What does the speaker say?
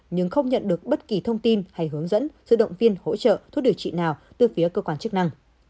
nhưng không nhận được bất kỳ thông tin hay hướng dẫn sự động viên hỗ trợ thuốc điều trị nào từ phía cơ quan chức năng